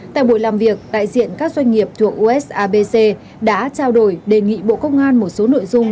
tại buổi làm việc đại diện các doanh nghiệp thuộc usabc đã trao đổi đề nghị bộ công an một số nội dung